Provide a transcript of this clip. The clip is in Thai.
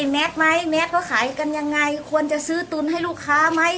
แม็กซ์ไหมแม็กซ์ก็ขายกันยังไงควรจะซื้อตุ๋นให้ลูกค้าไหม